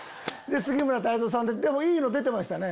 杉村太蔵さんいいの出てましたね